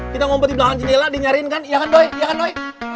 kita ngompet di belakang jendela dinyariin kan iya kan doi iya kan doi